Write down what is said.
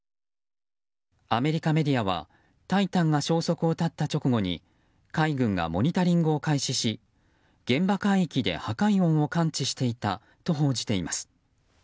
アメリカメディアは「タイタン」が消息を絶った直後に海軍がモニタリングを開始し現場海域で破壊音を感知していたと報じています。